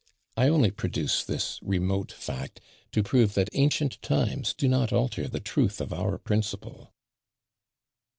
I only produce this remote fact to prove that ancient times do not alter the truth of our principle.